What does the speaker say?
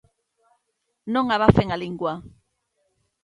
¡Non abafen a lingua!